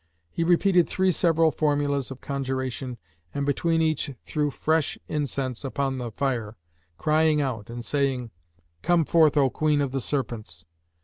He repeated three several formulas of conjuration and between each threw fresh incense upon the fire, crying out and saying, "Come forth, O Queen of the Serpents!